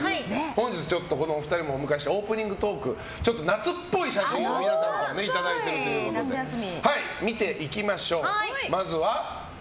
本日、お二人もお迎えしてオープニングトーク夏っぽい写真を皆さんからいただいてるということで見ていきましょう。